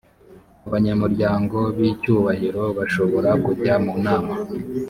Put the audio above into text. abanyamuryango b icyubahiro bashobora kujya mu nama